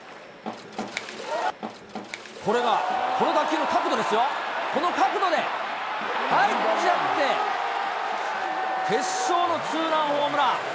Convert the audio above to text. これが、この打球の角度ですよ、この角度で、入っちゃって、決勝のツーランホームラン。